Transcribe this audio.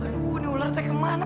aduh nih ular teh kemana